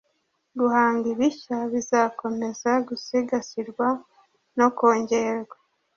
guhanga ibishya bizakomeza gusigasirwa no kongerwa